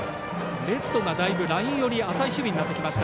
レフトがだいぶライン寄り浅い守備になりました。